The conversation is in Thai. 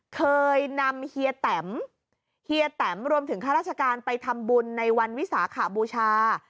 เคยนำเฮียแตมเฮียแตมรวมถึงข้าราชการไปทำบุญในวันวิสาขบูชา